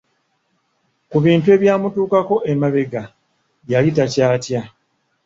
Ku bintu ebyamutuukako emabega, yali takyatya.